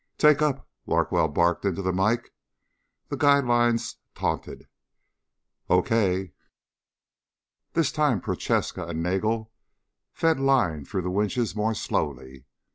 "Take up," Larkwell barked into the mike. The guide lines tautened. "Okay." This time Prochaska and Nagel fed line through the winches more slowly.